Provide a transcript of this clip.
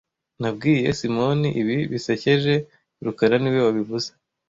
Nabwiye Simoni ibi bisekeje rukara niwe wabivuze